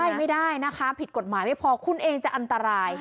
ใช่ไม่ได้นะคะผิดกฎหมายไม่พอคุณเองจะอันตราย